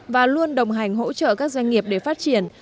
và luôn đồng hành hỗ trợ các doanh nghiệp để phát triển